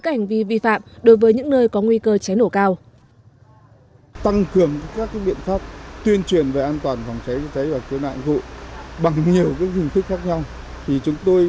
các hành vi vi phạm đối với những nơi có nguy cơ cháy nổ cao